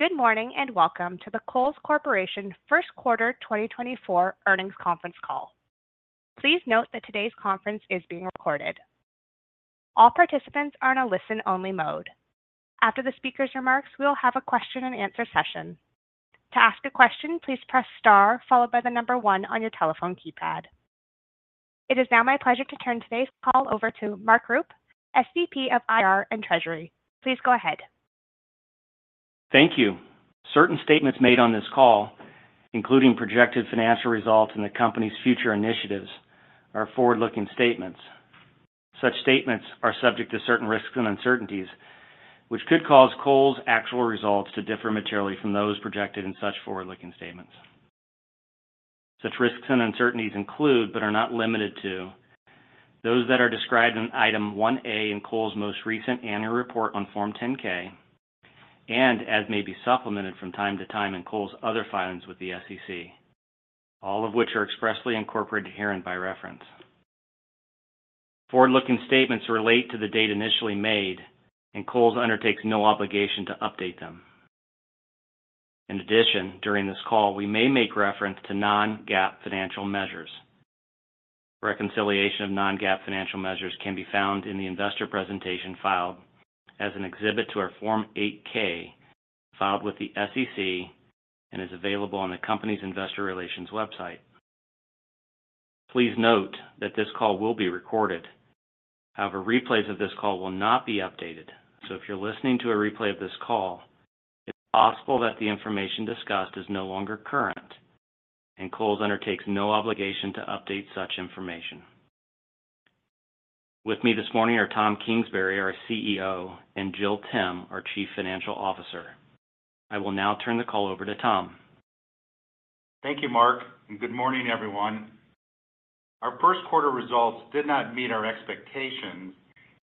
Good morning, and welcome to the Kohl's Corporation First Quarter 2024 Earnings Conference Call. Please note that today's conference is being recorded. All participants are in a listen-only mode. After the speaker's remarks, we will have a question-and-answer session. To ask a question, please press Star followed by the number one on your telephone keypad. It is now my pleasure to turn today's call over to Mark Rupe, SVP of IR and Treasury. Please go ahead. Thank you. Certain statements made on this call, including projected financial results and the company's future initiatives, are forward-looking statements. Such statements are subject to certain risks and uncertainties, which could cause Kohl's actual results to differ materially from those projected in such forward-looking statements. Such risks and uncertainties include, but are not limited to, those that are described in Item 1A in Kohl's most recent annual report on Form 10-K and as may be supplemented from time to time in Kohl's other filings with the SEC, all of which are expressly incorporated herein by reference. Forward-looking statements relate to the date initially made, and Kohl's undertakes no obligation to update them. In addition, during this call, we may make reference to non-GAAP financial measures. Reconciliation of non-GAAP financial measures can be found in the investor presentation filed as an exhibit to our Form 8-K, filed with the SEC and is available on the company's investor relations website. Please note that this call will be recorded. However, replays of this call will not be updated, so if you're listening to a replay of this call, it's possible that the information discussed is no longer current, and Kohl's undertakes no obligation to update such information. With me this morning are Tom Kingsbury, our CEO, and Jill Timm, our Chief Financial Officer. I will now turn the call over to Tom. Thank you, Mark, and good morning, everyone. Our first quarter results did not meet our expectations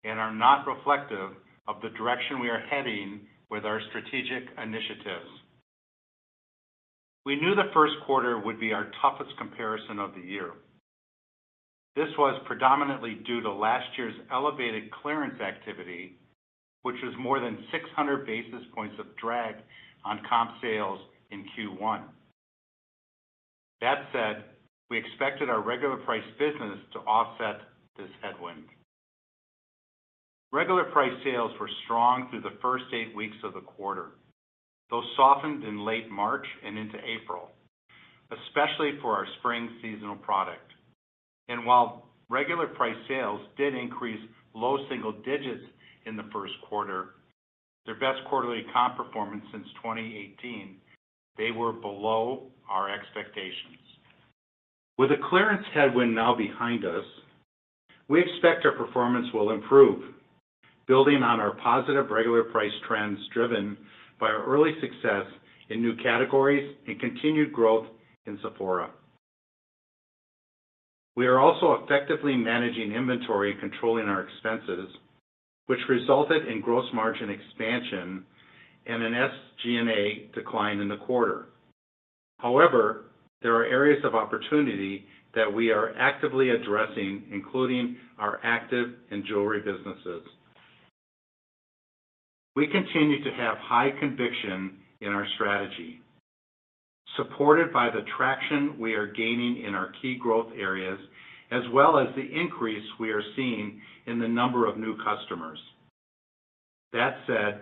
and are not reflective of the direction we are heading with our strategic initiatives. We knew the first quarter would be our toughest comparison of the year. This was predominantly due to last year's elevated clearance activity, which was more than 600 basis points of drag on comp sales in Q1. That said, we expected our regular price business to offset this headwind. Regular price sales were strong through the first eight weeks of the quarter, though softened in late March and into April, especially for our spring seasonal product. And while regular price sales did increase low single digits in the first quarter, their best quarterly comp performance since 2018, they were below our expectations. With a clearance headwind now behind us, we expect our performance will improve, building on our positive regular price trends, driven by our early success in new categories and continued growth in Sephora. We are also effectively managing inventory and controlling our expenses, which resulted in gross margin expansion and an SG&A decline in the quarter. However, there are areas of opportunity that we are actively addressing, including our active and jewelry businesses. We continue to have high conviction in our strategy, supported by the traction we are gaining in our key growth areas, as well as the increase we are seeing in the number of new customers. That said,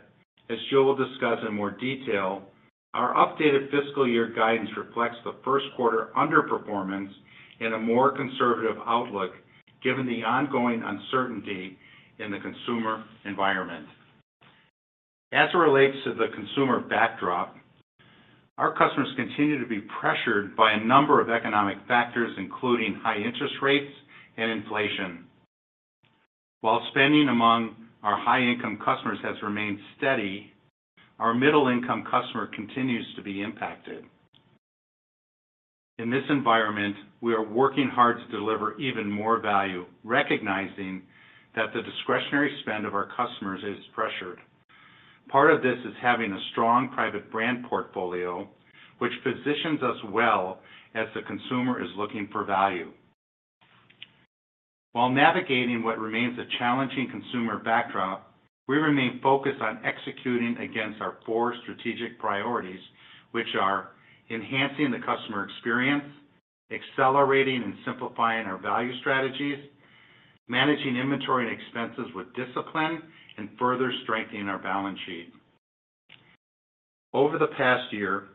as Jill will discuss in more detail, our updated fiscal year guidance reflects the first quarter underperformance and a more conservative outlook, given the ongoing uncertainty in the consumer environment. As it relates to the consumer backdrop, our customers continue to be pressured by a number of economic factors, including high interest rates and inflation. While spending among our high-income customers has remained steady, our middle-income customer continues to be impacted. In this environment, we are working hard to deliver even more value, recognizing that the discretionary spend of our customers is pressured. Part of this is having a strong private brand portfolio, which positions us well as the consumer is looking for value. While navigating what remains a challenging consumer backdrop, we remain focused on executing against our four strategic priorities, which are: enhancing the customer experience, accelerating and simplifying our value strategies, managing inventory and expenses with discipline, and further strengthening our balance sheet. Over the past year,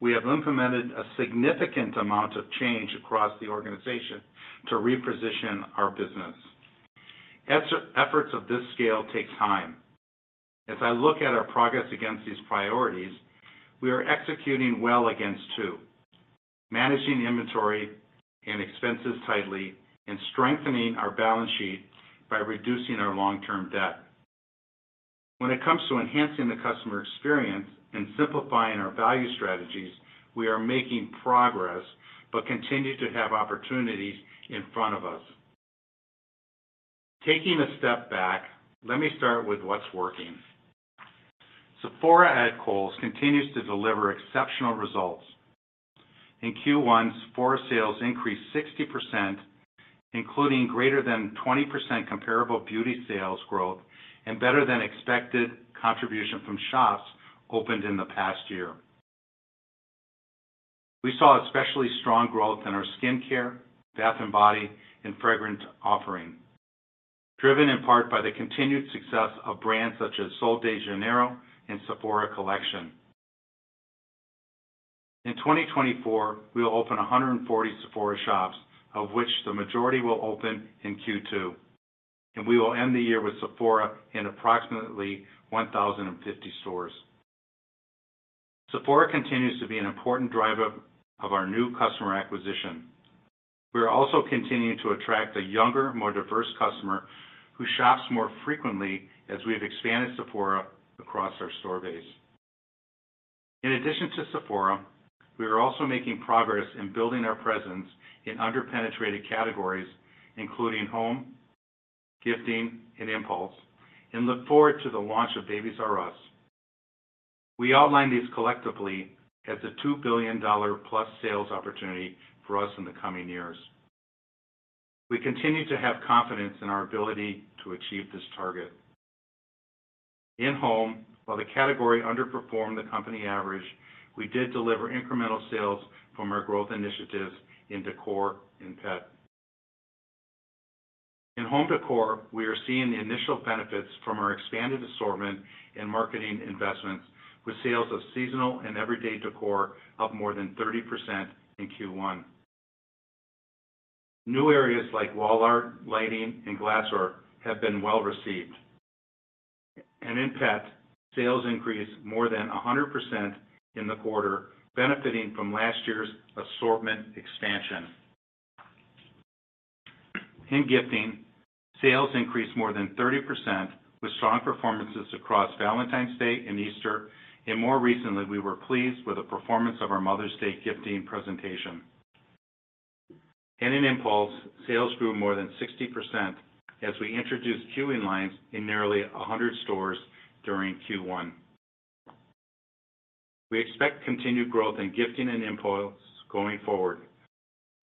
we have implemented a significant amount of change across the organization to reposition our business. Efforts of this scale take time. As I look at our progress against these priorities, we are executing well against two, managing inventory and expenses tightly and strengthening our balance sheet by reducing our long-term debt. When it comes to enhancing the customer experience and simplifying our value strategies, we are making progress but continue to have opportunities in front of us. Taking a step back, let me start with what's working. Sephora at Kohl's continues to deliver exceptional results. In Q1, Sephora sales increased 60%, including greater than 20% comparable beauty sales growth and better-than-expected contribution from shops opened in the past year. We saw especially strong growth in our skincare, bath and body, and fragrance offering, driven in part by the continued success of brands such as Sol de Janeiro and Sephora Collection. In 2024, we will open 140 Sephora shops, of which the majority will open in Q2, and we will end the year with Sephora in approximately 1,050 stores. Sephora continues to be an important driver of our new customer acquisition. We are also continuing to attract a younger, more diverse customer, who shops more frequently as we have expanded Sephora across our store base. In addition to Sephora, we are also making progress in building our presence in under-penetrated categories, including home, gifting, and impulse, and look forward to the launch of Babies "R" Us. We outlined these collectively as a $2 billion+ sales opportunity for us in the coming years. We continue to have confidence in our ability to achieve this target. In home, while the category underperformed the company average, we did deliver incremental sales from our growth initiatives in decor and pet. In home decor, we are seeing the initial benefits from our expanded assortment and marketing investments, with sales of seasonal and everyday decor up more than 30% in Q1. New areas like wall art, lighting, and glassware have been well received. In pet, sales increased more than 100% in the quarter, benefiting from last year's assortment expansion. In gifting, sales increased more than 30%, with strong performances across Valentine's Day and Easter, and more recently, we were pleased with the performance of our Mother's Day gifting presentation. In impulse, sales grew more than 60% as we introduced queuing lines in nearly 100 stores during Q1. We expect continued growth in gifting and impulse going forward.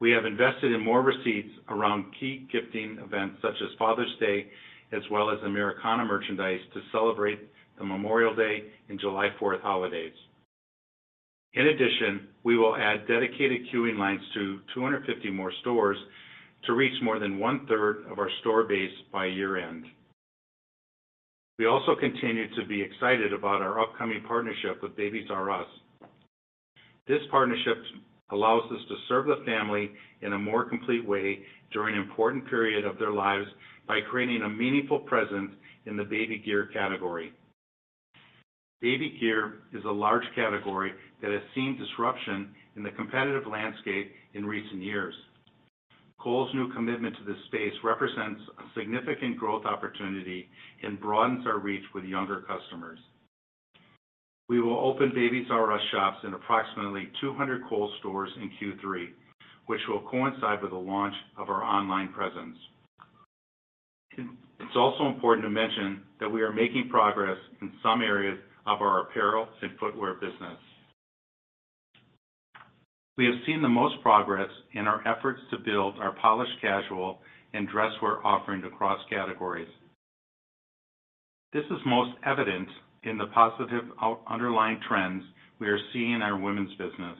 We have invested in more receipts around key gifting events, such as Father's Day, as well as Americana merchandise to celebrate the Memorial Day and July 4th holidays. In addition, we will add dedicated queuing lines to 250 more stores to reach more than one third of our store base by year-end. We also continue to be excited about our upcoming partnership with Babies "R" Us. This partnership allows us to serve the family in a more complete way during an important period of their lives by creating a meaningful presence in the baby gear category. Baby gear is a large category that has seen disruption in the competitive landscape in recent years. Kohl's new commitment to this space represents a significant growth opportunity and broadens our reach with younger customers. We will open Babies "R" Us shops in approximately 200 Kohl's stores in Q3, which will coincide with the launch of our online presence. It's also important to mention that we are making progress in some areas of our apparel and footwear business. We have seen the most progress in our efforts to build our polished casual and dress wear offering across categories. This is most evident in the positive underlying trends we are seeing in our women's business.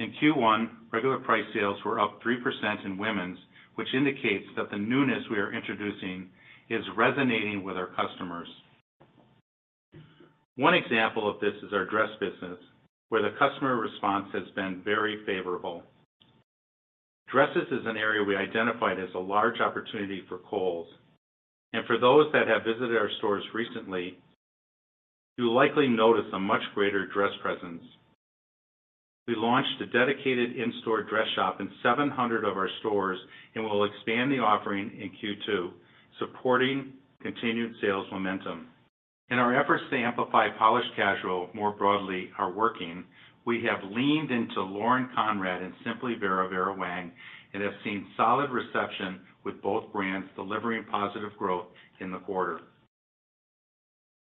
In Q1, regular price sales were up 3% in women's, which indicates that the newness we are introducing is resonating with our customers. One example of this is our dress business, where the customer response has been very favorable. Dresses is an area we identified as a large opportunity for Kohl's, and for those that have visited our stores recently, you'll likely notice a much greater dress presence. We launched a dedicated in-store dress shop in 700 of our stores and will expand the offering in Q2, supporting continued sales momentum. Our efforts to amplify polished casual more broadly are working. We have leaned into Lauren Conrad and Simply Vera Vera Wang and have seen solid reception with both brands delivering positive growth in the quarter.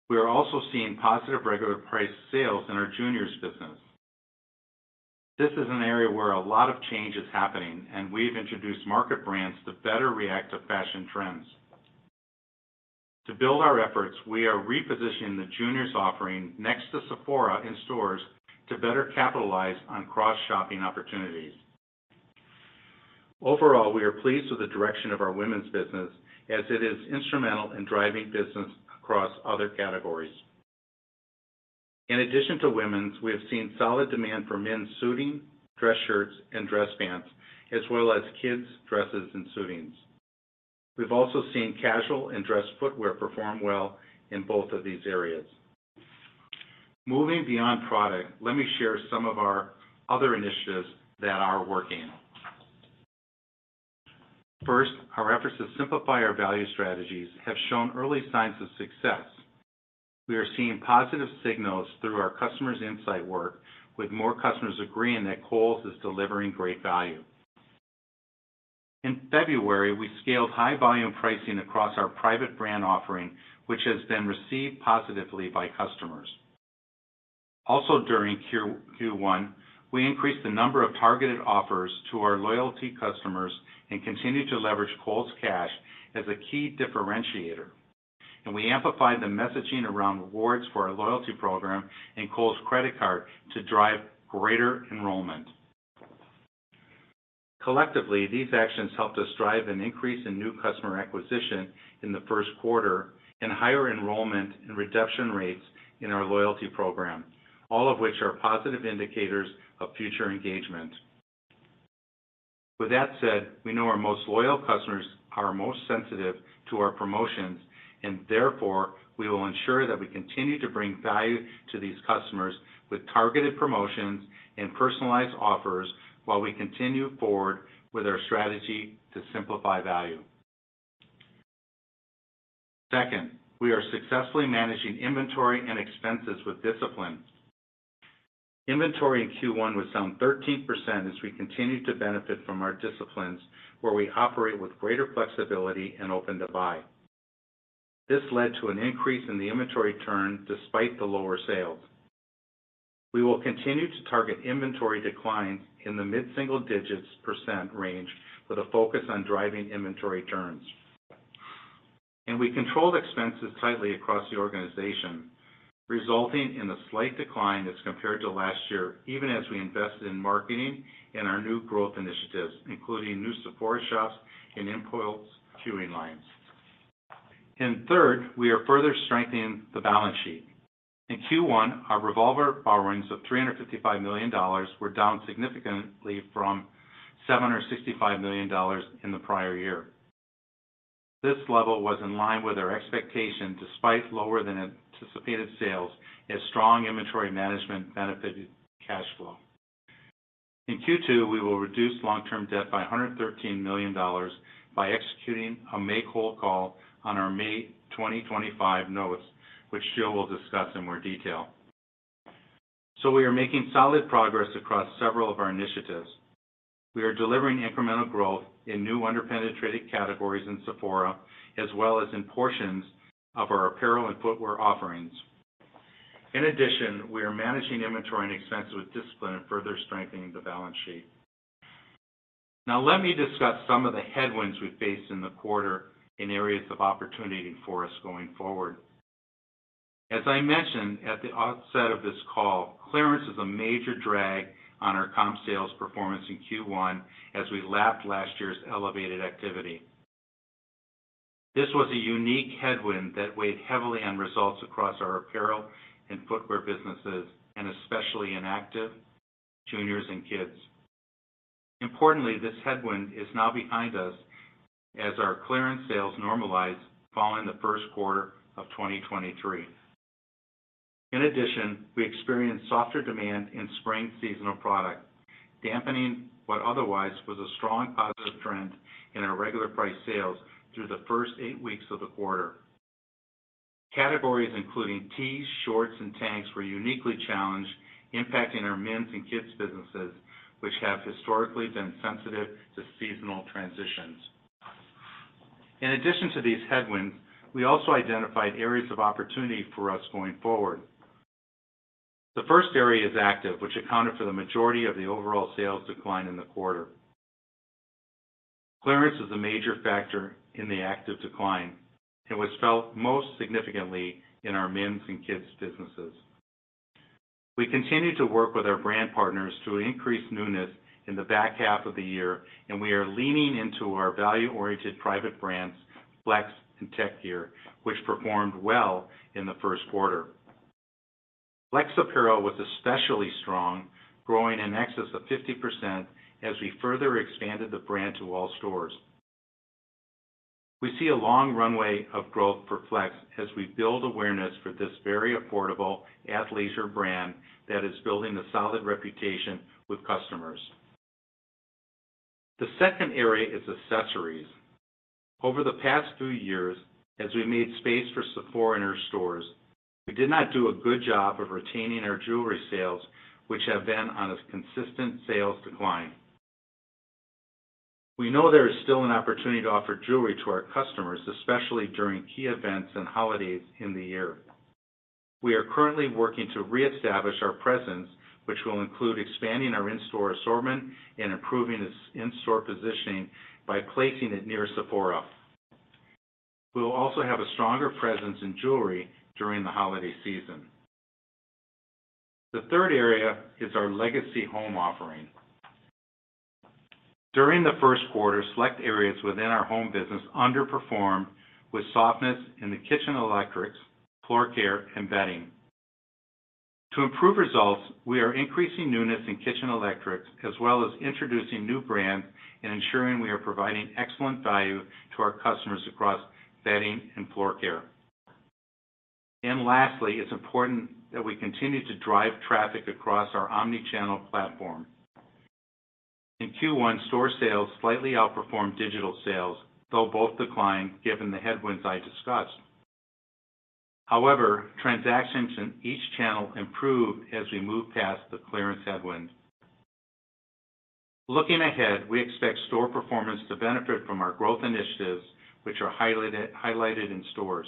We are also seeing positive regular priced sales in our juniors business. This is an area where a lot of change is happening, and we've introduced market brands to better react to fashion trends. To build our efforts, we are repositioning the juniors offering next to Sephora in stores to better capitalize on cross-shopping opportunities. Overall, we are pleased with the direction of our women's business as it is instrumental in driving business across other categories. In addition to women's, we have seen solid demand for men's suiting, dress shirts, and dress pants, as well as kids' dresses and suitings. We've also seen casual and dress footwear perform well in both of these areas. Moving beyond product, let me share some of our other initiatives that are working. First, our efforts to simplify our value strategies have shown early signs of success. We are seeing positive signals through our customers' insight work, with more customers agreeing that Kohl's is delivering great value. In February, we scaled high volume pricing across our private brand offering, which has been received positively by customers. Also during Q1, we increased the number of targeted offers to our loyalty customers and continued to leverage Kohl's Cash as a key differentiator. We amplified the messaging around rewards for our loyalty program and Kohl's credit card to drive greater enrollment. Collectively, these actions helped us drive an increase in new customer acquisition in the first quarter and higher enrollment and redemption rates in our loyalty program, all of which are positive indicators of future engagement. With that said, we know our most loyal customers are most sensitive to our promotions, and therefore, we will ensure that we continue to bring value to these customers with targeted promotions and personalized offers while we continue forward with our strategy to simplify value. Second, we are successfully managing inventory and expenses with discipline. Inventory in Q1 was down 13% as we continued to benefit from our disciplines, where we operate with greater flexibility and open to buy. This led to an increase in the inventory turn despite the lower sales. We will continue to target inventory declines in the mid-single percent range with a focus on driving inventory turns. We controlled expenses tightly across the organization, resulting in a slight decline as compared to last year, even as we invested in marketing and our new growth initiatives, including new Sephora shops and in Kohl's queuing lines. And third, we are further strengthening the balance sheet. In Q1, our revolver borrowings of $355 million were down significantly from $765 million in the prior year. This level was in line with our expectation, despite lower than anticipated sales, as strong inventory management benefited cash flow. In Q2, we will reduce long-term debt by $113 million by executing a make-whole call on our May 2025 notes, which Jill will discuss in more detail. We are making solid progress across several of our initiatives. We are delivering incremental growth in new underpenetrated categories in Sephora, as well as in portions of our apparel and footwear offerings. In addition, we are managing inventory and expenses with discipline and further strengthening the balance sheet. Now, let me discuss some of the headwinds we faced in the quarter in areas of opportunity for us going forward. As I mentioned at the outset of this call, clearance is a major drag on our comp sales performance in Q1 as we lapped last year's elevated activity. This was a unique headwind that weighed heavily on results across our apparel and footwear businesses, and especially in active, juniors, and kids. Importantly, this headwind is now behind us as our clearance sales normalize following the first quarter of 2023. In addition, we experienced softer demand in spring seasonal product, dampening what otherwise was a strong positive trend in our regular price sales through the first eight weeks of the quarter. Categories including tees, shorts, and tanks were uniquely challenged, impacting our men's and kids' businesses, which have historically been sensitive to seasonal transitions. In addition to these headwinds, we also identified areas of opportunity for us going forward. The first area is active, which accounted for the majority of the overall sales decline in the quarter. Clearance is a major factor in the active decline and was felt most significantly in our men's and kids' businesses. We continue to work with our brand partners to increase newness in the back half of the year, and we are leaning into our value-oriented private brands, FLX and Tek Gear, which performed well in the first quarter. FLX apparel was especially strong, growing in excess of 50% as we further expanded the brand to all stores. We see a long runway of growth for FLX as we build awareness for this very affordable athleisure brand that is building a solid reputation with customers. The second area is accessories. Over the past few years, as we made space for Sephora in our stores, we did not do a good job of retaining our jewelry sales, which have been on a consistent sales decline. We know there is still an opportunity to offer jewelry to our customers, especially during key events and holidays in the year. We are currently working to reestablish our presence, which will include expanding our in-store assortment and improving its in-store positioning by placing it near Sephora. We will also have a stronger presence in jewelry during the holiday season. The third area is our legacy home offering. During the first quarter, select areas within our home business underperformed with softness in the kitchen electrics, floor care, and bedding. To improve results, we are increasing newness in kitchen electrics, as well as introducing new brands and ensuring we are providing excellent value to our customers across bedding and floor care. And lastly, it's important that we continue to drive traffic across our Omni-channel platform. In Q1, store sales slightly outperformed digital sales, though both declined given the headwinds I discussed. However, transactions in each channel improved as we moved past the clearance headwind. Looking ahead, we expect store performance to benefit from our growth initiatives, which are highlighted in stores.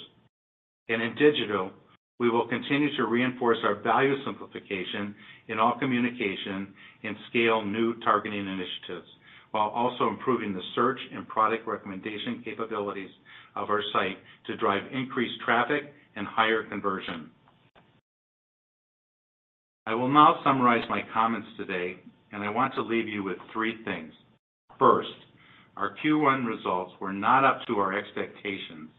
In digital, we will continue to reinforce our value simplification in all communication and scale new targeting initiatives, while also improving the search and product recommendation capabilities of our site to drive increased traffic and higher conversion. I will now summarize my comments today, and I want to leave you with three things. First, our Q1 results were not up to our expectations.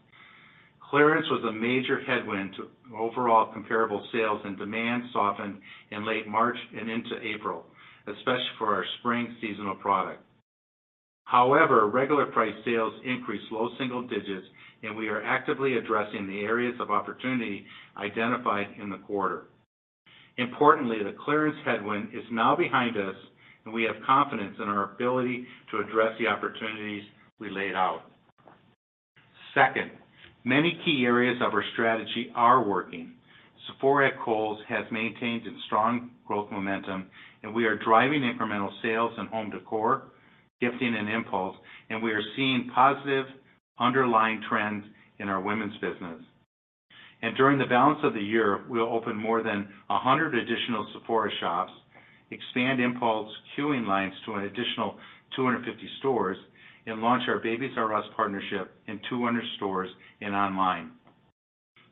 Clearance was a major headwind to overall comparable sales, and demand softened in late March and into April, especially for our spring seasonal product. However, regular price sales increased low single digits, and we are actively addressing the areas of opportunity identified in the quarter. Importantly, the clearance headwind is now behind us, and we have confidence in our ability to address the opportunities we laid out. Second, many key areas of our strategy are working. Sephora at Kohl's has maintained its strong growth momentum, and we are driving incremental sales in Home Decor, Gifting, and Impulse, and we are seeing positive underlying trends in our women's business. And during the balance of the year, we'll open more than 100 additional Sephora shops, expand Impulse queuing lines to an additional 250 stores, and launch our Babies "R" Us partnership in 200 stores and online.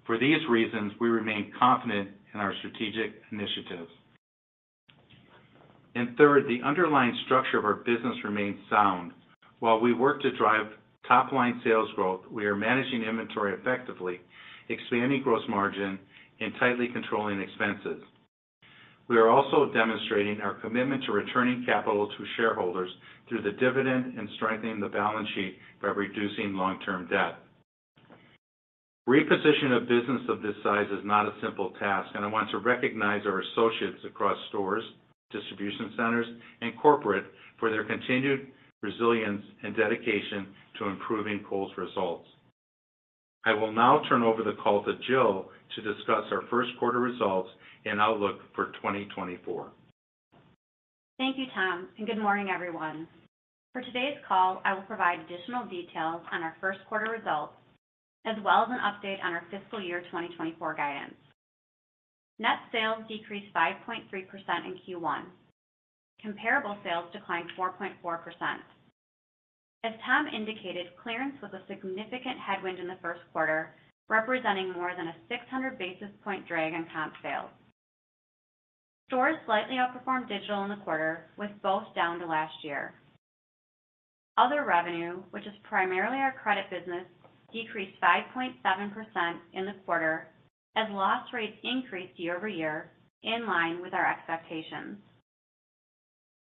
For these reasons, we remain confident in our strategic initiatives. And third, the underlying structure of our business remains sound. While we work to drive top-line sales growth, we are managing inventory effectively, expanding gross margin, and tightly controlling expenses. We are also demonstrating our commitment to returning capital to shareholders through the dividend and strengthening the balance sheet by reducing long-term debt. Repositioning a business of this size is not a simple task, and I want to recognize our associates across stores, distribution centers, and corporate for their continued resilience and dedication to improving Kohl's results. I will now turn over the call to Jill to discuss our first quarter results and outlook for 2024. Thank you, Tom, and good morning, everyone. For today's call, I will provide additional details on our first quarter results, as well as an update on our fiscal year 2024 guidance. Net sales decreased 5.3% in Q1. Comparable sales declined 4.4%. As Tom indicated, clearance was a significant headwind in the first quarter, representing more than a 600 basis point drag on comp sales. Stores slightly outperformed digital in the quarter, with both down to last year. Other revenue, which is primarily our credit business, decreased 5.7% in the quarter as loss rates increased year over year, in line with our expectations.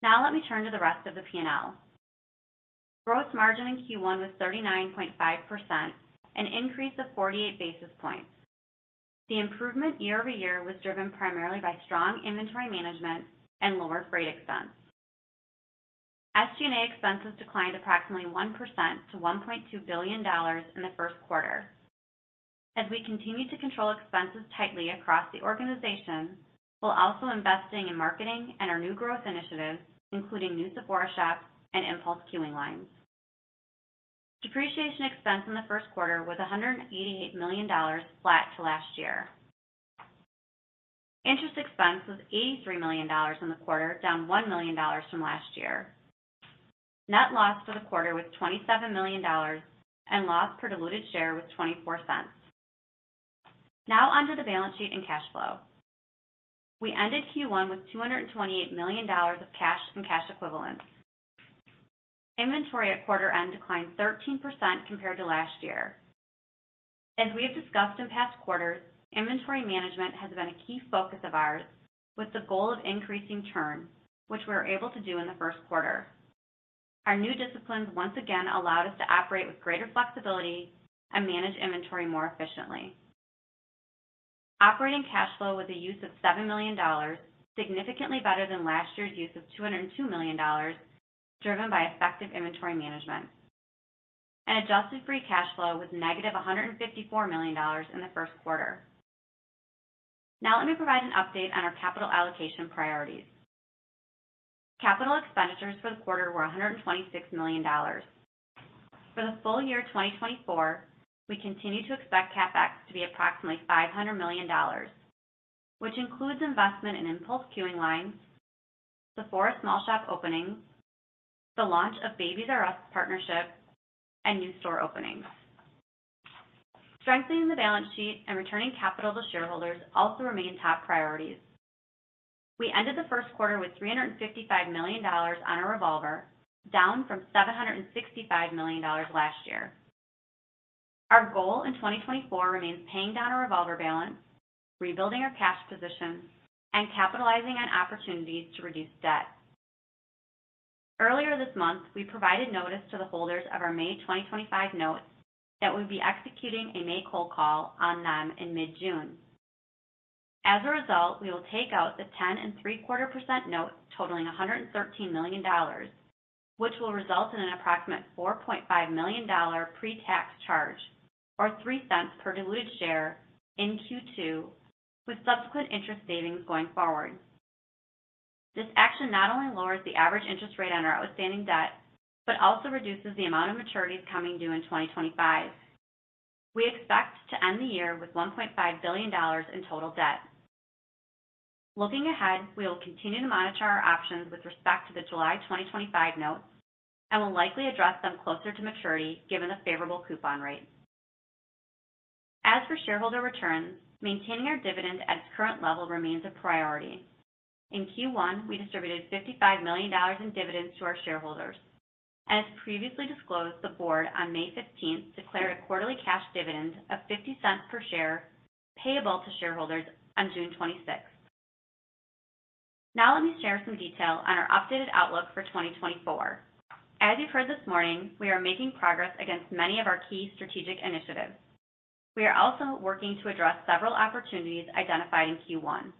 Now let me turn to the rest of the P&L. Gross margin in Q1 was 39.5%, an increase of 48 basis points. The improvement year-over-year was driven primarily by strong inventory management and lower freight expense. SG&A expenses declined approximately 1% to $1.2 billion in the first quarter. As we continue to control expenses tightly across the organization, we're also investing in marketing and our new growth initiatives, including new Sephora shops and Impulse queuing lines. Depreciation expense in the first quarter was $188 million, flat to last year. Interest expense was $83 million in the quarter, down $1 million from last year. Net loss for the quarter was $27 million, and loss per diluted share was $0.24. Now onto the balance sheet and cash flow. We ended Q1 with $228 million of cash and cash equivalents. Inventory at quarter end declined 13% compared to last year. As we have discussed in past quarters, inventory management has been a key focus of ours, with the goal of increasing churn, which we were able to do in the first quarter. Our new disciplines once again allowed us to operate with greater flexibility and manage inventory more efficiently. Operating cash flow with a use of $7 million, significantly better than last year's use of $202 million, driven by effective inventory management. Adjusted free cash flow was negative $154 million in the first quarter. Now, let me provide an update on our capital allocation priorities. Capital expenditures for the quarter were $126 million. For the full year 2024, we continue to expect CapEx to be approximately $500 million, which includes investment in Impulse queuing lines, Sephora small shop openings, the launch of Babies "R" Us partnership, and new store openings. Strengthening the balance sheet and returning capital to shareholders also remain top priorities. We ended the first quarter with $355 million on our revolver, down from $765 million last year. Our goal in 2024 remains paying down our revolver balance, rebuilding our cash position, and capitalizing on opportunities to reduce debt. Earlier this month, we provided notice to the holders of our May 2025 notes that we'll be executing a make-whole call on them in mid-June. As a result, we will take out the 10.75% note, totaling $113 million, which will result in an approximate $4.5 million pre-tax charge, or $0.03 per diluted share in Q2, with subsequent interest savings going forward. This action not only lowers the average interest rate on our outstanding debt, but also reduces the amount of maturities coming due in 2025. We expect to end the year with $1.5 billion in total debt. Looking ahead, we will continue to monitor our options with respect to the July 2025 notes and will likely address them closer to maturity, given the favorable coupon rate. As for shareholder returns, maintaining our dividend at its current level remains a priority. In Q1, we distributed $55 million in dividends to our shareholders. As previously disclosed, the board on May 15th declared a quarterly cash dividend of $0.50 per share, payable to shareholders on June twenty-sixth. Now, let me share some detail on our updated outlook for 2024. As you've heard this morning, we are making progress against many of our key strategic initiatives. We are also working to address several opportunities identified in Q1.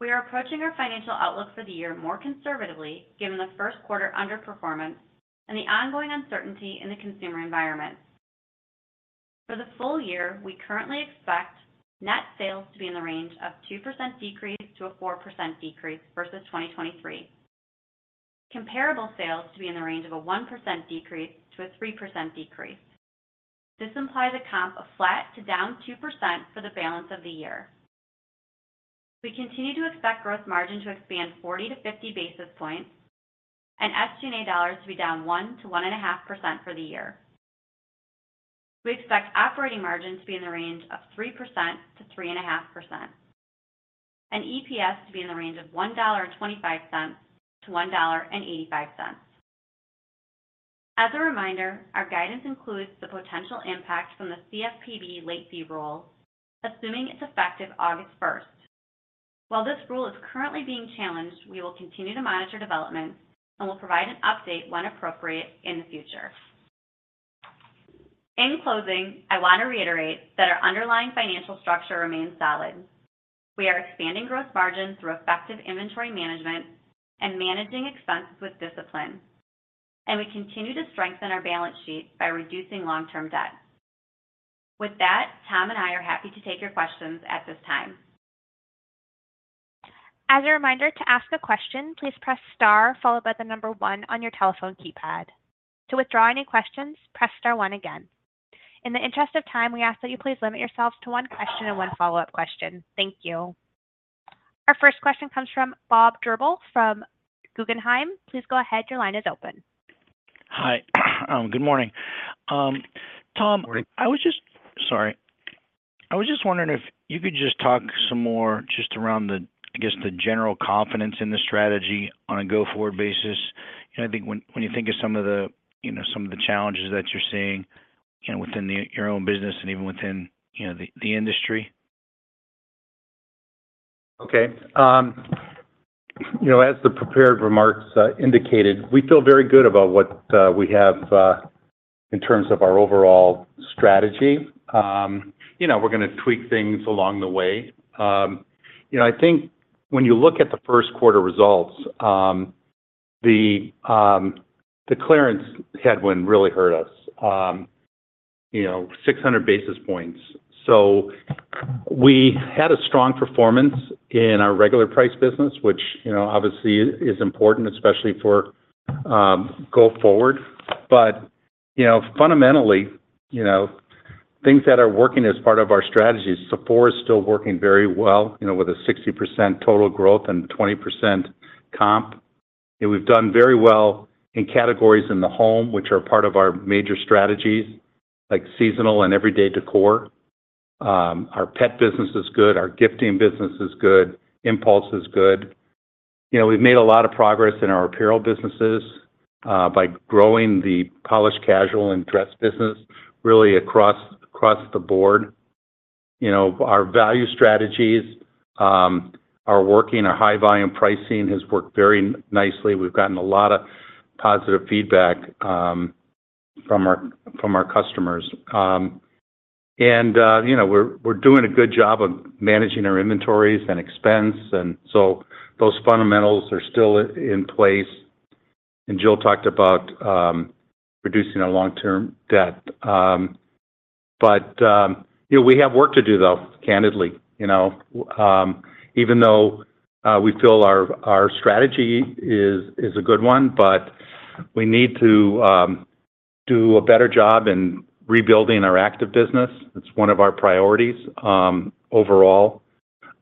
We are approaching our financial outlook for the year more conservatively, given the first quarter underperformance and the ongoing uncertainty in the consumer environment. For the full year, we currently expect net sales to be in the range of 2%-4% decrease versus 2023. Comparable sales to be in the range of a 1% decrease to a 3% decrease. This implies a comp of flat to down 2% for the balance of the year. We continue to expect gross margin to expand 40 to 50 basis points and SG&A dollars to be down 1%-1.5% for the year. We expect operating margin to be in the range of 3% to 3.5%, and EPS to be in the range of $1.25 to $1.85. As a reminder, our guidance includes the potential impact from the CFPB late fee rule, assuming it's effective August first. While this rule is currently being challenged, we will continue to monitor developments and will provide an update when appropriate in the future. In closing, I want to reiterate that our underlying financial structure remains solid. We are expanding gross margins through effective inventory management and managing expenses with discipline, and we continue to strengthen our balance sheet by reducing long-term debt. With that, Tom and I are happy to take your questions at this time. As a reminder, to ask a question, please press star followed by the number one on your telephone keypad. To withdraw any questions, press star one again. In the interest of time, we ask that you please limit yourselves to one question and one follow-up question. Thank you. Our first question comes from Bob Drbul from Guggenheim. Please go ahead. Your line is open. Hi, good morning. Tom- Good morning. I was just... Sorry. I was just wondering if you could just talk some more just around the, I guess, the general confidence in the strategy on a go-forward basis. I think when, when you think of some of the, you know, some of the challenges that you're seeing, you know, within the, your own business and even within, you know, the, the industry. Okay. You know, as the prepared remarks indicated, we feel very good about what we have in terms of our overall strategy. You know, we're gonna tweak things along the way. You know, I think when you look at the first quarter results, the clearance headwind really hurt us, you know, 600 basis points. So we had a strong performance in our regular price business, which, you know, obviously is important, especially for go forward. But, you know, fundamentally, you know, things that are working as part of our strategy, Sephora is still working very well, you know, with a 60% total growth and 20% comp. And we've done very well in categories in the home, which are part of our major strategies, like seasonal and everyday decor. Our pet business is good, our gifting business is good, impulse is good. You know, we've made a lot of progress in our apparel businesses by growing the polished casual and dress business really across, across the board. You know, our value strategies are working. Our high volume pricing has worked very nicely. We've gotten a lot of positive feedback from our, from our customers. And you know, we're, we're doing a good job of managing our inventories and expense, and so those fundamentals are still in place. And Jill talked about reducing our long-term debt, but you know, we have work to do, though, candidly, you know. Even though we feel our, our strategy is, is a good one, but we need to do a better job in rebuilding our active business. It's one of our priorities. Overall,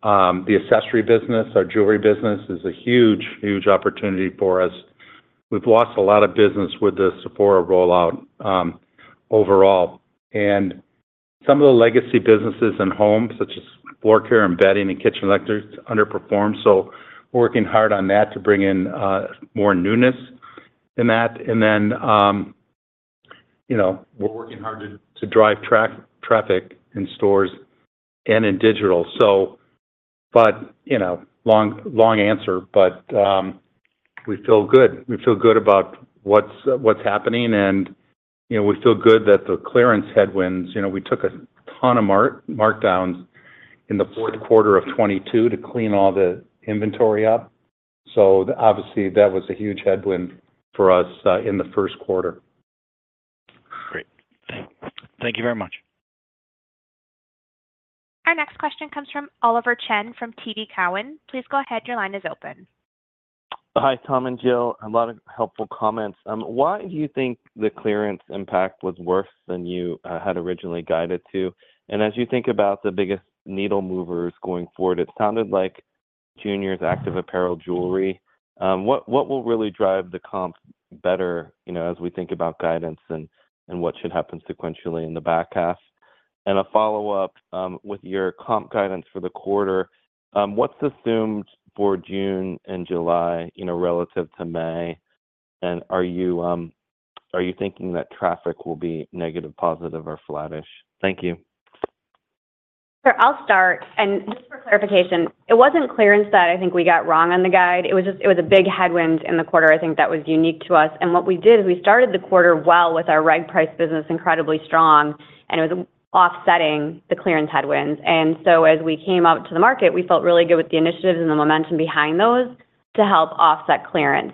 the accessory business, our jewelry business, is a huge, huge opportunity for us. We've lost a lot of business with the Sephora rollout, overall, and some of the legacy businesses in home, such as floor care and bedding and kitchen electric, underperformed. So we're working hard on that to bring in more newness in that. And then, you know, we're working hard to drive traffic in stores and in digital. So, but, you know, long, long answer, but... We feel good. We feel good about what's happening, and, you know, we feel good that the clearance headwinds, you know, we took a ton of markdowns in the fourth quarter of 2022 to clean all the inventory up. So obviously, that was a huge headwind for us in the first quarter. Great. Thank you very much. Our next question comes from Oliver Chen from TD Cowen. Please go ahead. Your line is open. Hi, Tom and Jill. A lot of helpful comments. Why do you think the clearance impact was worse than you had originally guided to? And as you think about the biggest needle movers going forward, it sounded like juniors, active apparel, jewelry. What will really drive the comps better, you know, as we think about guidance and what should happen sequentially in the back half? And a follow-up, with your comp guidance for the quarter, what's assumed for June and July, you know, relative to May? And are you thinking that traffic will be negative, positive, or flattish? Thank you. Sure, I'll start. Just for clarification, it wasn't clearance that I think we got wrong on the guide. It was just, it was a big headwind in the quarter I think that was unique to us. What we did is we started the quarter well with our reg price business incredibly strong, and it was offsetting the clearance headwinds. So as we came out to the market, we felt really good with the initiatives and the momentum behind those to help offset clearance.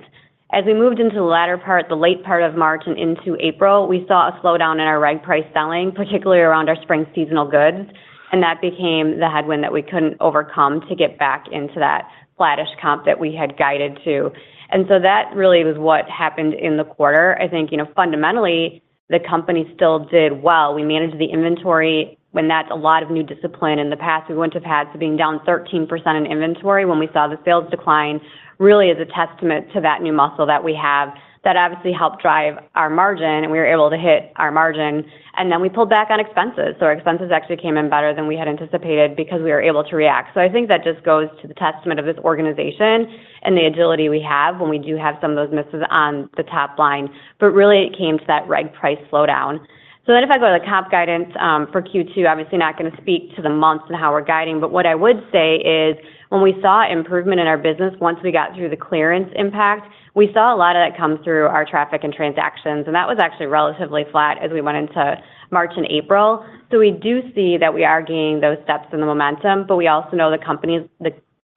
As we moved into the latter part, the late part of March and into April, we saw a slowdown in our reg price selling, particularly around our spring seasonal goods, and that became the headwind that we couldn't overcome to get back into that flattish comp that we had guided to. So that really was what happened in the quarter. I think, you know, fundamentally, the company still did well. We managed the inventory, which is a lot of new discipline. In the past, we wouldn't have had to bring down 13% in inventory when we saw the sales decline, really is a testament to that new muscle that we have. That obviously helped drive our margin, and we were able to hit our margin, and then we pulled back on expenses. So our expenses actually came in better than we had anticipated because we were able to react. So I think that just is a testament to this organization and the agility we have when we do have some of those misses on the top line. But really, it came to that regular price slowdown. So then if I go to the comp guidance, for Q2, obviously not gonna speak to the months and how we're guiding, but what I would say is, when we saw improvement in our business, once we got through the clearance impact, we saw a lot of that come through our traffic and transactions, and that was actually relatively flat as we went into March and April. So we do see that we are gaining those steps in the momentum, but we also know the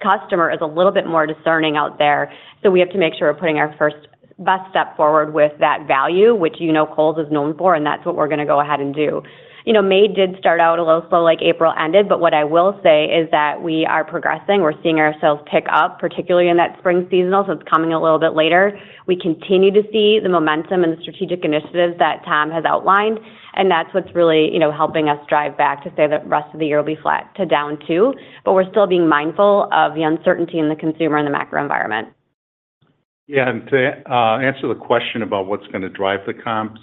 customer is a little bit more discerning out there, so we have to make sure we're putting our first best step forward with that value, which, you know, Kohl's is known for, and that's what we're gonna go ahead and do. You know, May did start out a little slow like April ended, but what I will say is that we are progressing. We're seeing our sales pick up, particularly in that spring seasonal, so it's coming a little bit later. We continue to see the momentum and the strategic initiatives that Tom has outlined, and that's what's really, you know, helping us drive back to say the rest of the year will be flat to down too. But we're still being mindful of the uncertainty in the consumer and the macro environment. Yeah, and to answer the question about what's gonna drive the comps,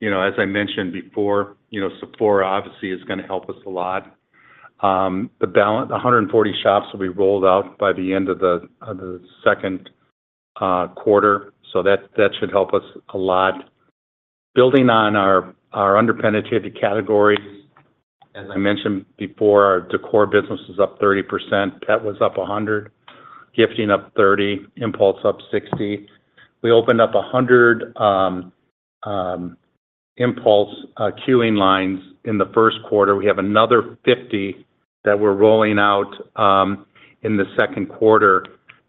you know, as I mentioned before, you know, Sephora obviously is gonna help us a lot. The balance, 140 shops will be rolled out by the end of the second quarter, so that, that should help us a lot. Building on our underpenetrated categories, as I mentioned before, our decor business is up 30%, pet was up 100%, gifting up 30%, impulse up 60%. We opened up 100 impulse queuing lines in the first quarter. We have another 50 that we're rolling out in the second quarter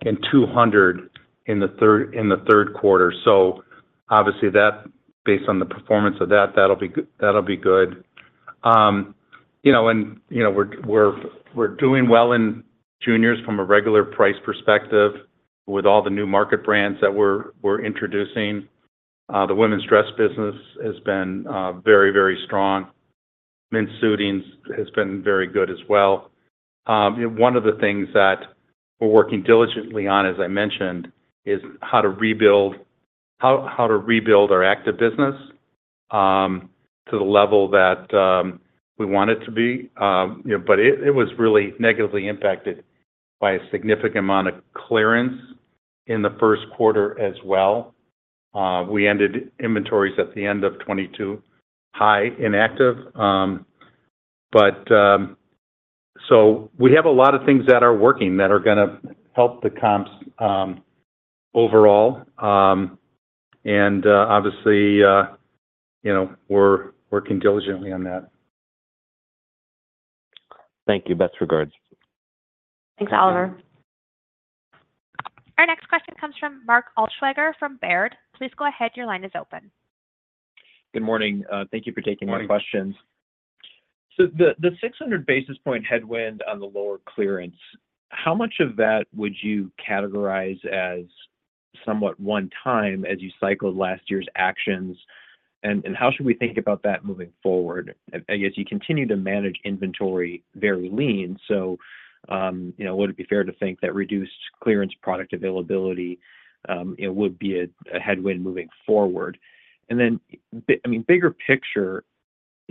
and 200 in the third quarter. So obviously, that, based on the performance of that, that'll be good-- that'll be good. You know, we're doing well in juniors from a regular price perspective with all the new market brands that we're introducing. The women's dress business has been very, very strong. Men's suitings has been very good as well. One of the things that we're working diligently on, as I mentioned, is how to re build our active business to the level that we want it to be. But it was really negatively impacted by a significant amount of clearance in the first quarter as well. We ended inventories at the end of 2022, high in active. So we have a lot of things that are working that are gonna help the comps overall. And obviously, you know, we're working diligently on that. Thank you. Best regards. Thanks, Oliver. Our next question comes from Mark Altschwager from Baird. Please go ahead. Your line is open. Good morning. Thank you for taking my questions. Good morning. So the 600 basis points headwind on the lower clearance, how much of that would you categorize as somewhat one time as you cycled last year's actions? And how should we think about that moving forward? I guess you continue to manage inventory very lean, so, you know, would it be fair to think that reduced clearance product availability, it would be a headwind moving forward? And then, I mean, bigger picture,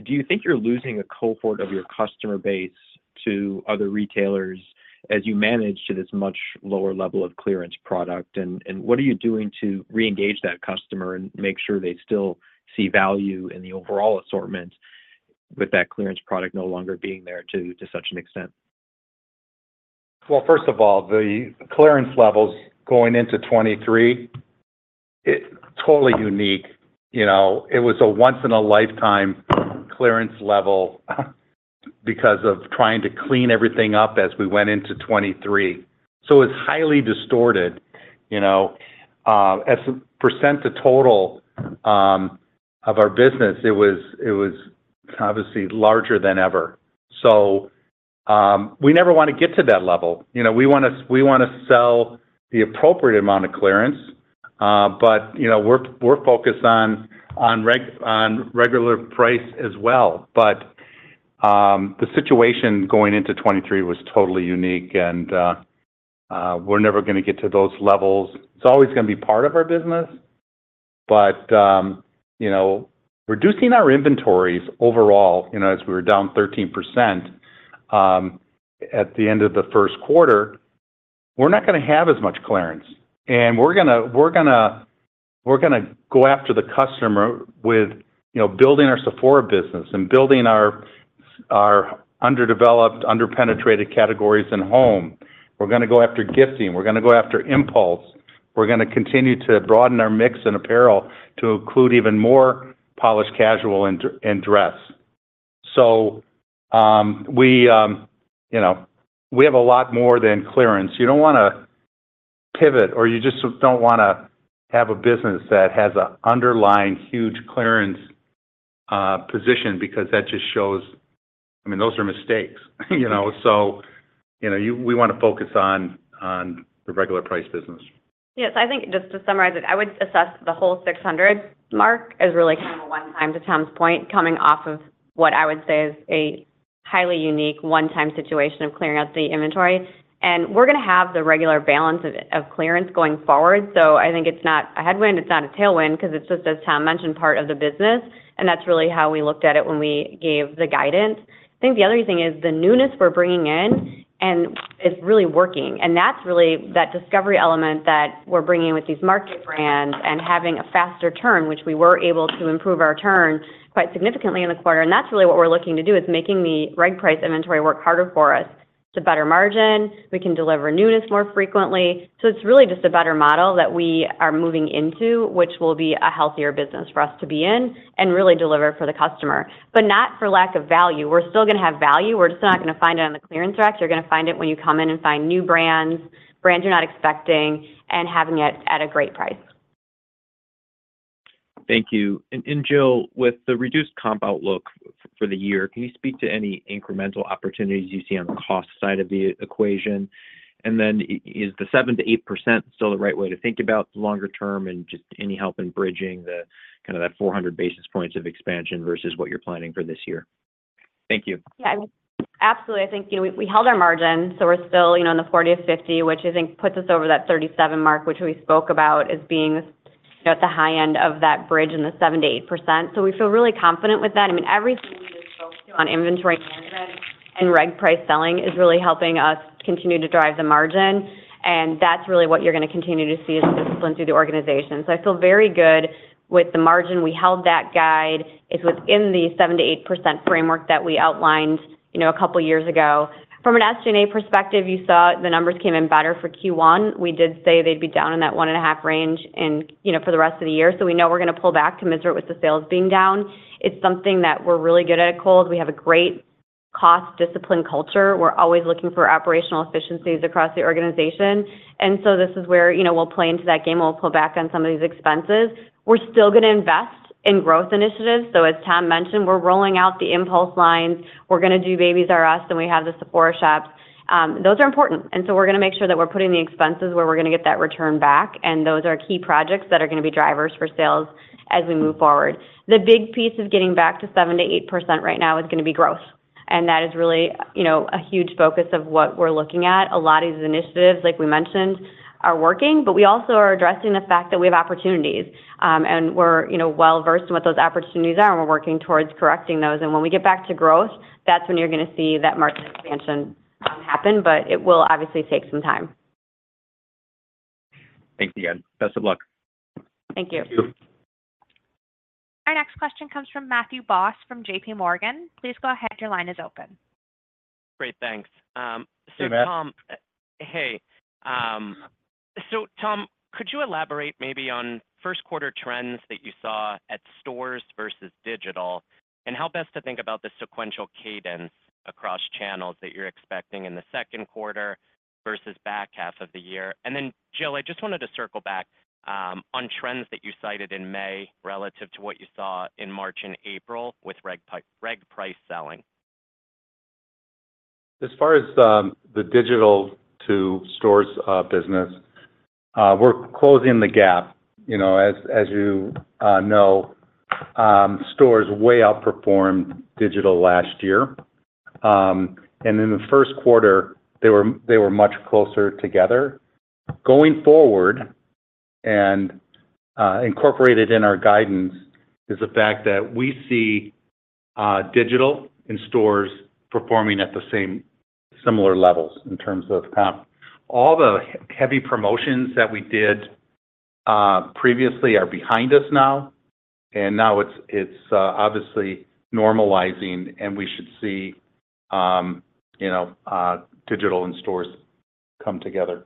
do you think you're losing a cohort of your customer base to other retailers as you manage to this much lower level of clearance product? And what are you doing to reengage that customer and make sure they still see value in the overall assortment?... with that clearance product no longer being there to such an extent? Well, first of all, the clearance levels going into 2023, it totally unique. You know, it was a once in a lifetime clearance level because of trying to clean everything up as we went into 2023. So it's highly distorted, you know. As a percent to total of our business, it was, it was obviously larger than ever. So, we never want to get to that level. You know, we wanna sell the appropriate amount of clearance, but, you know, we're focused on regular price as well. But, the situation going into 2023 was totally unique, and, we're never gonna get to those levels. It's always gonna be part of our business, but, you know, reducing our inventories overall, you know, as we were down 13%, at the end of the first quarter, we're not gonna have as much clearance. And we're gonna go after the customer with, you know, building our Sephora business and building our underdeveloped, under-penetrated categories in home. We're gonna go after gifting. We're gonna go after impulse. We're gonna continue to broaden our mix in apparel to include even more polished casual and dress. So, you know, we have a lot more than clearance. You don't wanna pivot, or you just don't wanna have a business that has a underlying huge clearance position, because that just shows... I mean, those are mistakes, you know? You know, we wanna focus on the regular price business. Yes, I think just to summarize it, I would assess the whole 600 mark as really kind of a one-time, to Tom's point, coming off of what I would say is a highly unique one-time situation of clearing out the inventory. We're gonna have the regular balance of, of clearance going forward. I think it's not a headwind, it's not a tailwind, 'cause it's just, as Tom mentioned, part of the business, and that's really how we looked at it when we gave the guidance. I think the other thing is the newness we're bringing in and is really working, and that's really that discovery element that we're bringing with these market brands and having a faster turn, which we were able to improve our turn quite significantly in the quarter. That's really what we're looking to do, is making the reg price inventory work harder for us to better margin. We can deliver newness more frequently. It's really just a better model that we are moving into, which will be a healthier business for us to be in and really deliver for the customer. But not for lack of value. We're still gonna have value, we're just not gonna find it on the clearance rack. You're gonna find it when you come in and find new brands, brands you're not expecting, and having it at a great price. Thank you. And, and Jill, with the reduced comp outlook for the year, can you speak to any incremental opportunities you see on the cost side of the equation? And then is the 7%-8% still the right way to think about the longer term, and just any help in bridging the kind of that 400 basis points of expansion versus what you're planning for this year? Thank you. Yeah, absolutely. I think, you know, we, we held our margin, so we're still, you know, in the 40%-50%, which I think puts us over that 37 mark, which we spoke about as being, you know, at the high end of that bridge in the 7%-8%. So we feel really confident with that. I mean, everything we spoke to on inventory management and reg price selling is really helping us continue to drive the margin, and that's really what you're gonna continue to see as discipline through the organization. So I feel very good with the margin. We held that guide. It's within the 7%-8% framework that we outlined, you know, a couple years ago. From an SG&A perspective, you saw the numbers came in better for Q1. We did say they'd be down in that 1.5 range and, you know, for the rest of the year, so we know we're gonna pull back commensurate with the sales being down. It's something that we're really good at Kohl's. We have a great cost discipline culture. We're always looking for operational efficiencies across the organization. And so this is where, you know, we'll play into that game. We'll pull back on some of these expenses. We're still gonna invest in growth initiatives. So as Tom mentioned, we're rolling out the impulse lines. We're gonna do Babies "R" Us, and we have the Sephora shops. Those are important, and so we're gonna make sure that we're putting the expenses where we're gonna get that return back, and those are key projects that are gonna be drivers for sales as we move forward. The big piece of getting back to 7%-8% right now is gonna be growth, and that is really, you know, a huge focus of what we're looking at. A lot of these initiatives, like we mentioned, are working, but we also are addressing the fact that we have opportunities. And we're, you know, well versed in what those opportunities are, and we're working towards correcting those. And when we get back to growth, that's when you're gonna see that margin expansion happen, but it will obviously take some time. Thanks again. Best of luck. Thank you. Thank you. Our next question comes from Matthew Boss, from J.P. Morgan. Please go ahead, your line is open. Great, thanks. Hey, Matt. So Tom could you elaborate maybe on first quarter trends that you saw at stores versus digital, and how best to think about the sequential cadence across channels that you're expecting in the second quarter versus back half of the year? And then, Jill, I just wanted to circle back, on trends that you cited in May relative to what you saw in March and April with regular price selling. As far as the digital to stores business, we're closing the gap. You know, as you know, stores way outperformed digital last year. And in the first quarter, they were much closer together. Going forward, incorporated in our guidance, is the fact that we see digital and stores performing at the same similar levels in terms of comp. All the heavy promotions that we did previously are behind us now, and now it's obviously normalizing, and we should see, you know, digital and stores come together.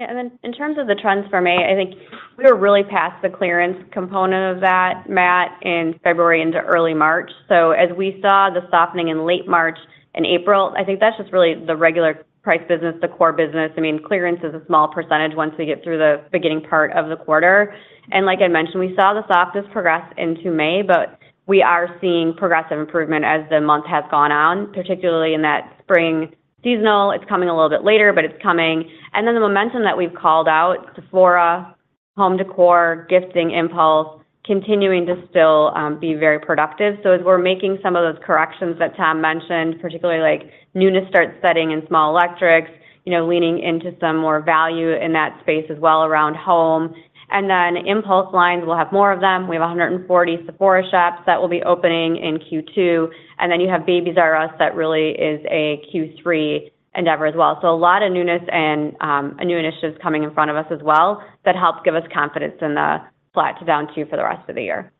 Yeah, and then in terms of the trends for May, I think we were really past the clearance component of that, Matt, in February into early March. So as we saw the softening in late March and April, I think that's just really the regular price business, the core business. I mean, clearance is a small percentage once we get through the beginning part of the quarter. And like I mentioned, we saw the softness progress into May, but we are seeing progressive improvement as the month has gone on, particularly in that spring seasonal. It's coming a little bit later, but it's coming. And then the momentum that we've called out, Sephora, home decor, gifting, impulse, continuing to still be very productive. As we're making some of those corrections that Tom mentioned, particularly like newness start setting in small electrics, you know, leaning into some more value in that space as well around home. And then impulse lines, we'll have more of them. We have 140 Sephora shops that will be opening in Q2, and then you have Babies "R" Us, that really is a Q3 endeavor as well. So a lot of newness and a new initiatives coming in front of us as well, that help give us confidence in the flat to down two for the rest of the year.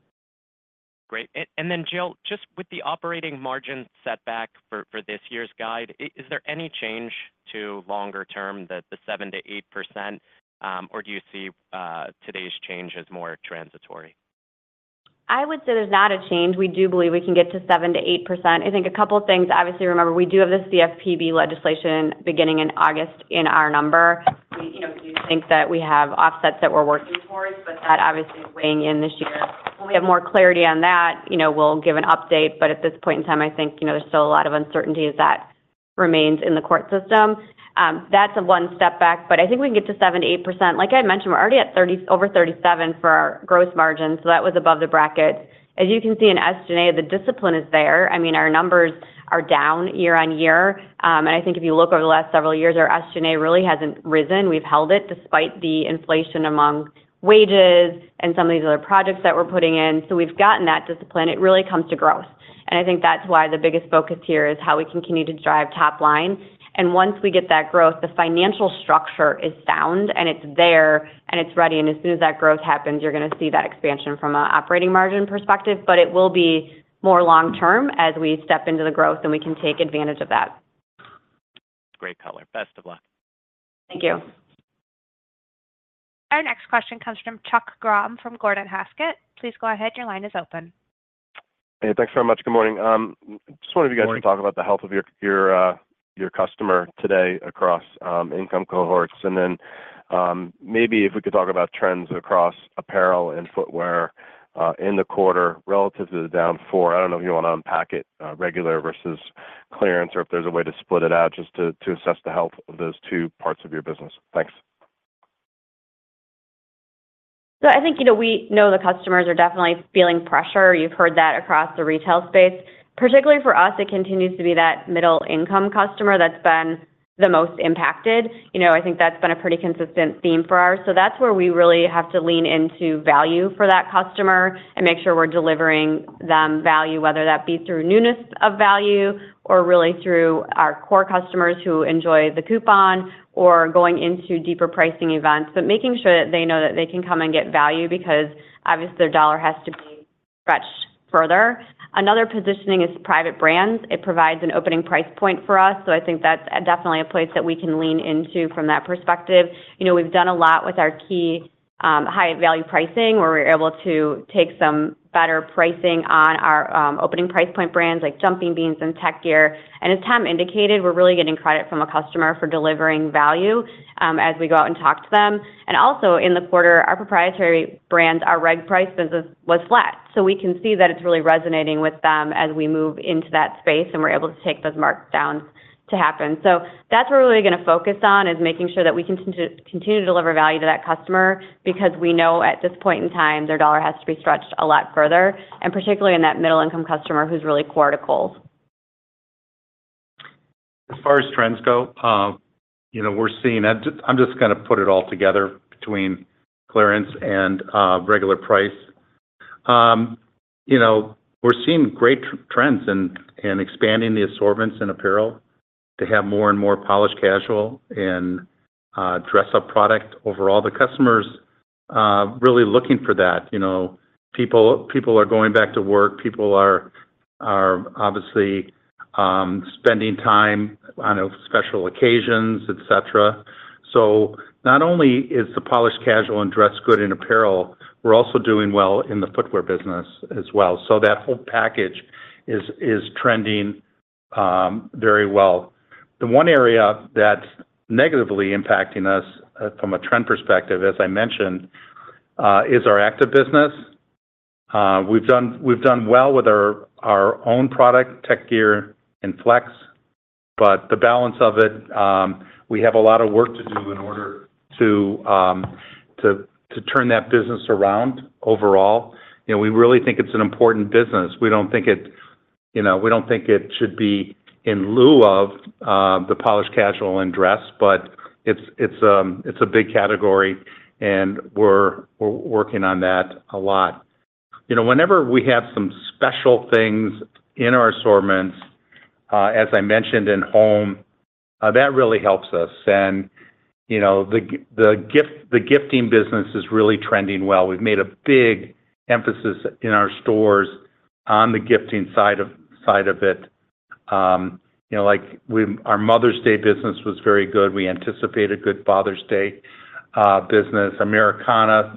Great. And then, Jill, just with the operating margin setback for this year's guide, is there any change to longer term that the 7%-8%, or do you see today's change as more transitory? I would say there's not a change. We do believe we can get to 7%-8%. I think a couple of things, obviously, remember, we do have the CFPB legislation beginning in August in our number. We, you know, do think that we have offsets that we're working towards, but that obviously is weighing in this year. When we have more clarity on that, you know, we'll give an update, but at this point in time, I think, you know, there's still a lot of uncertainty as that remains in the court system. That's a one step back, but I think we can get to 7%-8%. Like I mentioned, we're already at over 37% for our gross margin, so that was above the bracket. As you can see in SG&A, the discipline is there. I mean, our numbers are down year-on-year. And I think if you look over the last several years, our SG&A really hasn't risen. We've held it despite the inflation among wages and some of these other projects that we're putting in. So we've gotten that discipline. It really comes to growth. And I think that's why the biggest focus here is how we continue to drive top line. And once we get that growth, the financial structure is sound, and it's there, and it's ready, and as soon as that growth happens, you're gonna see that expansion from an operating margin perspective, but it will be more long term as we step into the growth, and we can take advantage of that. Great color. Best of luck. Thank you. Our next question comes from Chuck Grom from Gordon Haskett. Please go ahead. Your line is open. Hey, thanks very much. Good morning. Just wanted you guys- Good morning. To talk about the health of your customer today across income cohorts. And then, maybe if we could talk about trends across apparel and footwear in the quarter relative to the down four. I don't know if you want to unpack it, regular versus clearance, or if there's a way to split it out just to assess the health of those two parts of your business. Thanks. So I think, you know, we know the customers are definitely feeling pressure. You've heard that across the retail space. Particularly for us, it continues to be that middle-income customer that's been the most impacted. You know, I think that's been a pretty consistent theme for our... So that's where we really have to lean into value for that customer and make sure we're delivering them value, whether that be through newness of value or really through our core customers who enjoy the coupon or going into deeper pricing events. But making sure that they know that they can come and get value because obviously, their dollar has to be stretched further. Another positioning is private brands. It provides an opening price point for us, so I think that's definitely a place that we can lean into from that perspective. You know, we've done a lot with our key high value pricing, where we're able to take some better pricing on our opening price point brands like Jumping Beans and Tek Gear. And as Tom indicated, we're really getting credit from a customer for delivering value, as we go out and talk to them. And also in the quarter, our proprietary brands, our reg price business was flat. So we can see that it's really resonating with them as we move into that space, and we're able to take those markdowns to happen. So that's what we're really gonna focus on, is making sure that we continue to deliver value to that customer because we know at this point in time, their dollar has to be stretched a lot further, and particularly in that middle-income customer who's really core to Kohl's. As far as trends go, you know, we're seeing... I'm just gonna put it all together between clearance and regular price. You know, we're seeing great trends in expanding the assortments in apparel to have more and more polished casual and dress-up product. Overall, the customers are really looking for that. You know, people are going back to work. People are obviously spending time on special occasions, et cetera. So not only is the polished casual and dress good in apparel, we're also doing well in the footwear business as well. So that whole package is trending very well. The one area that's negatively impacting us from a trend perspective, as I mentioned, is our active business. We've done well with our own product, Tek Gear and FLX, but the balance of it, we have a lot of work to do in order to turn that business around overall. You know, we really think it's an important business. We don't think it, you know, we don't think it should be in lieu of the polished casual and dress, but it's a big category, and we're working on that a lot. You know, whenever we have some special things in our assortments- As I mentioned in home, that really helps us. You know, the gift, the gifting business is really trending well. We've made a big emphasis in our stores on the gifting side of it. You know, like, our Mother's Day business was very good. We anticipate a good Father's Day business. Americana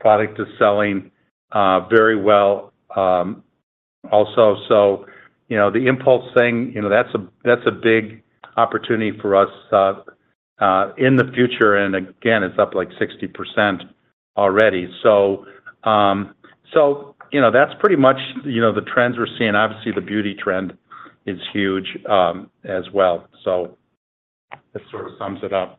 product is selling very well, also. So, you know, the impulse thing, you know, that's a big opportunity for us in the future, and again, it's up, like, 60% already. So, you know, that's pretty much the trends we're seeing. Obviously, the beauty trend is huge, as well. So that sort of sums it up.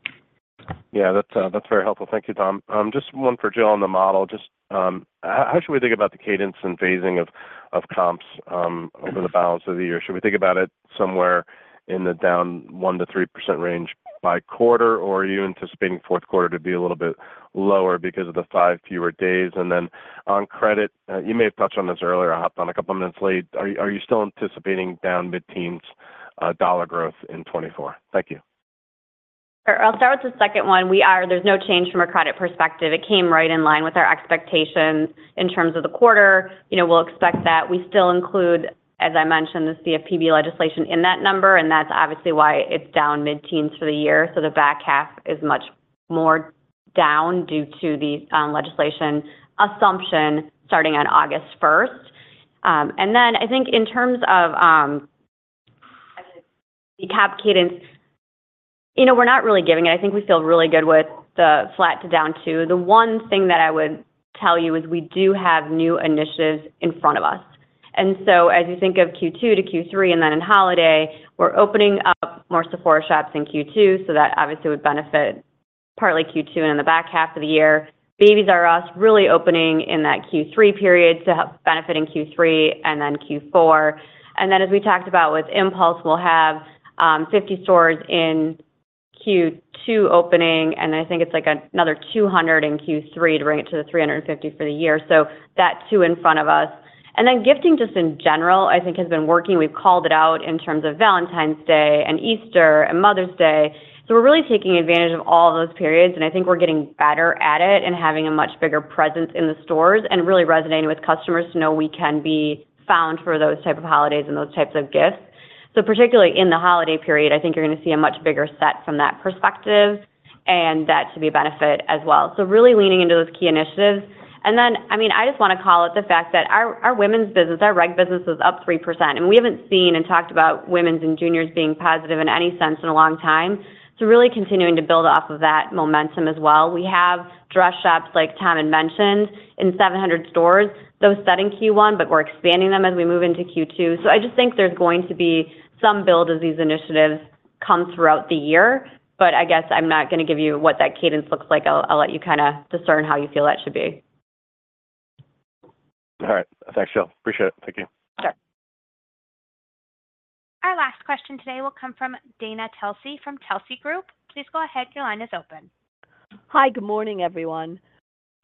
Yeah, that's, that's very helpful. Thank you, Tom. Just one for Jill on the model. Just, how should we think about the cadence and phasing of, of comps, over the balance of the year? Should we think about it somewhere in the down 1%-3% range by quarter, or are you anticipating fourth quarter to be a little bit lower because of the five fewer days? And then, on credit, you may have touched on this earlier. I hopped on a couple of minutes late. Are you, are you still anticipating down mid-teens, dollar growth in 2024? Thank you. Sure. I'll start with the second one. We are. There's no change from a credit perspective. It came right in line with our expectations in terms of the quarter. You know, we'll expect that. We still include, as I mentioned, the CFPB legislation in that number, and that's obviously why it's down mid-teens for the year. So the back half is much more down due to the legislation assumption starting on August first. And then I think in terms of the comp cadence, you know, we're not really giving it. I think we feel really good with the flat to down two. The one thing that I would tell you is we do have new initiatives in front of us. And so as you think of Q2 to Q3 and then in holiday, we're opening up more Sephora shops in Q2, so that obviously would benefit partly Q2 and in the back half of the year. Babies 'R' Us, really opening in that Q3 period to help benefiting Q3 and then Q4. And then, as we talked about with Impulse, we'll have 50 stores in Q2 opening, and I think it's, like, another 200 in Q3 to bring it to the 350 for the year. So that too, in front of us. And then gifting, just in general, I think, has been working. We've called it out in terms of Valentine's Day and Easter and Mother's Day. So we're really taking advantage of all those periods, and I think we're getting better at it and having a much bigger presence in the stores, and really resonating with customers to know we can be found for those type of holidays and those types of gifts. So particularly in the holiday period, I think you're gonna see a much bigger set from that perspective, and that should be a benefit as well. So really leaning into those key initiatives. And then, I mean, I just wanna call it the fact that our, our women's business, our reg business, is up 3%, and we haven't seen and talked about women's and juniors being positive in any sense in a long time. So really continuing to build off of that momentum as well. We have dress shops, like Tom had mentioned, in 700 stores, those set in Q1, but we're expanding them as we move into Q2. So I just think there's going to be some build as these initiatives come throughout the year, but I guess I'm not gonna give you what that cadence looks like. I'll, I'll let you kinda discern how you feel that should be. All right. Thanks, Jill. Appreciate it. Thank you. Sure. Our last question today will come from Dana Telsey from Telsey Group. Please go ahead. Your line is open. Hi, good morning, everyone.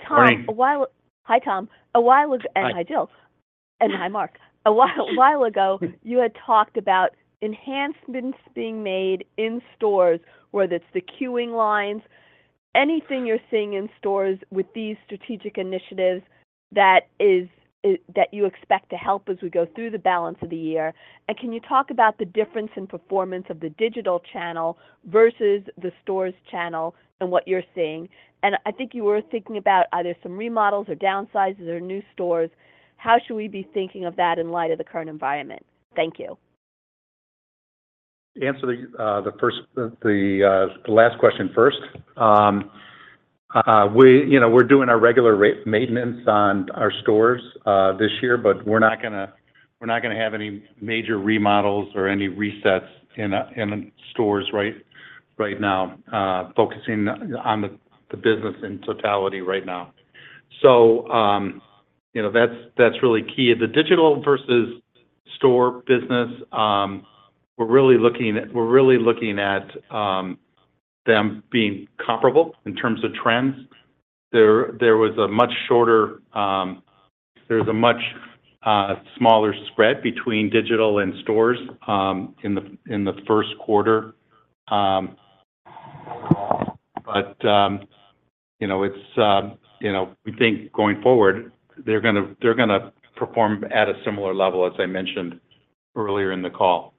Hi, Tom. A while ago- Hi. And hi, Jill. And hi, Mark. A while, a while ago, you had talked about enhancements being made in stores, whether it's the queuing lines, anything you're seeing in stores with these strategic initiatives that is, that you expect to help as we go through the balance of the year? And can you talk about the difference in performance of the digital channel versus the stores channel and what you're seeing? And I think you were thinking about either some remodels or downsizes or new stores. How should we be thinking of that in light of the current environment? Thank you. To answer the last question first. We, you know, we're doing our regular maintenance on our stores this year, but we're not gonna, we're not gonna have any major remodels or any resets in the stores right now, focusing on the business in totality right now. So, you know, that's really key. The digital versus store business, we're really looking at them being comparable in terms of trends. There was a much smaller spread between digital and stores in the first quarter. But, you know, we think going forward, they're gonna perform at a similar level, as I mentioned earlier in the call.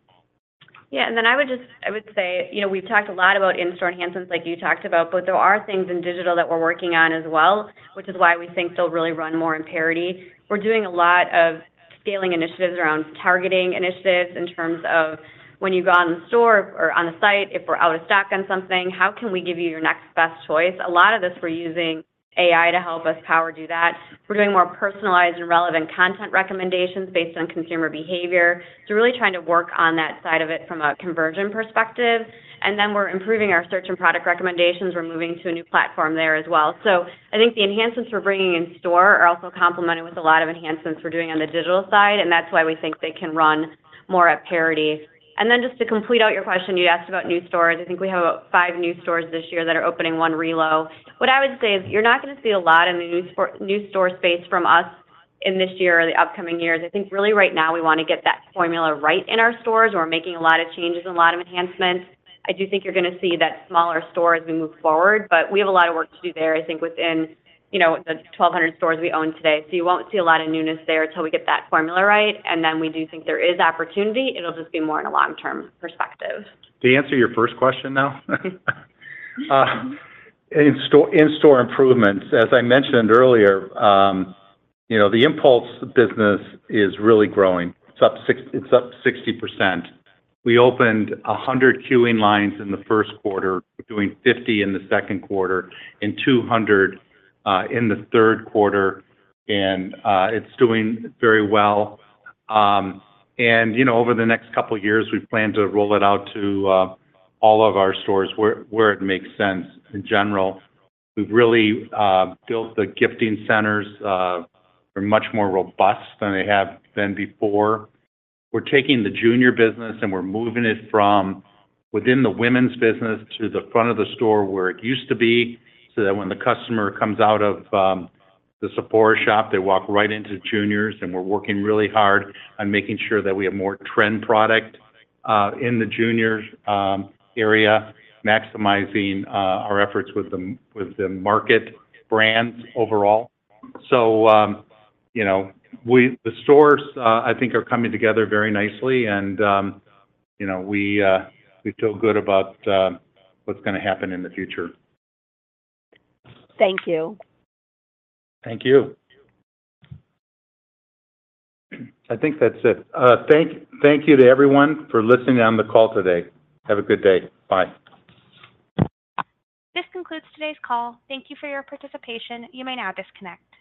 Yeah, and then I would say, you know, we've talked a lot about in-store enhancements, like you talked about, but there are things in digital that we're working on as well, which is why we think they'll really run more in parity. We're doing a lot of scaling initiatives around targeting initiatives in terms of when you go out in the store or on a site, if we're out of stock on something, how can we give you your next best choice? A lot of this, we're using AI to help us power do that. We're doing more personalized and relevant content recommendations based on consumer behavior. So really trying to work on that side of it from a conversion perspective. And then we're improving our search and product recommendations. We're moving to a new platform there as well. So I think the enhancements we're bringing in store are also complemented with a lot of enhancements we're doing on the digital side, and that's why we think they can run more at parity. And then just to complete out your question, you asked about new stores. I think we have about five new stores this year that are opening, one relo. What I would say is, you're not gonna see a lot of new store space from us. In this year or the upcoming years. I think really right now, we want to get that formula right in our stores. We're making a lot of changes and a lot of enhancements. I do think you're going to see that smaller store as we move forward, but we have a lot of work to do there, I think, within, you know, the 1,200 stores we own today. So you won't see a lot of newness there until we get that formula right, and then we do think there is opportunity. It'll just be more in a long-term perspective. To answer your first question now, in-store, in-store improvements, as I mentioned earlier, you know, the impulse business is really growing. It's up 60%. We opened 100 queuing lines in the first quarter, doing 50 in the second quarter and 200 in the third quarter, and it's doing very well. And, you know, over the next couple of years, we plan to roll it out to all of our stores where it makes sense in general. We've really built the gifting centers. They're much more robust than they have been before. We're taking the junior business, and we're moving it from within the women's business to the front of the store where it used to be, so that when the customer comes out of the Sephora shop, they walk right into juniors, and we're working really hard on making sure that we have more trend product in the juniors area, maximizing our efforts with the market brands overall. So, you know, the stores I think are coming together very nicely and, you know, we feel good about what's going to happen in the future. Thank you. Thank you. I think that's it. Thank you to everyone for listening on the call today. Have a good day. Bye. This concludes today's call. Thank you for your participation. You may now disconnect.